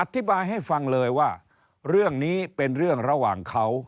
อธิบายให้ฟังเลยว่าเรื่องนี้เป็นเรื่องระหว่างเขา